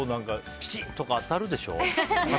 ピシッとか当たるでしょ。